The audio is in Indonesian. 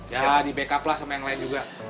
ya di backup lah sama yang lain juga